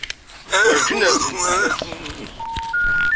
Werǧin rzin fell-as.